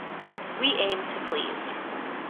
We aim to please